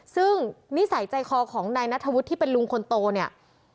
ซึ่งนิสัยใจคอของนายนัทธวุฒิที่เป็นลุงคนโตเนี่ย